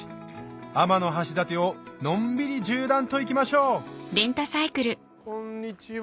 天橋立をのんびり縦断といきましょうこんにちは。